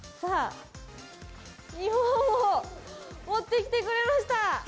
日本を持ってきてくれました。